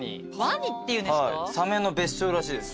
サメの別称らしいです。